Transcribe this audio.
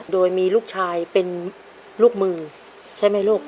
โดยมีลูกชายเป็นลูกมือใช่ไหมลูก